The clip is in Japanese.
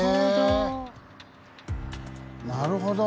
なるほど。